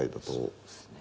そうですね。